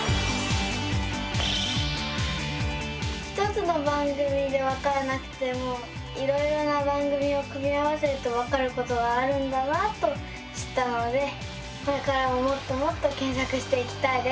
１つの番組でわからなくてもいろいろな番組を組み合わせるとわかることがあるんだなと知ったのでこれからももっともっと検索していきたいです。